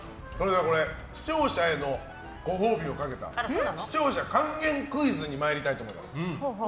視聴者へのご褒美をかけた視聴者還元クイズに参りたいと思います。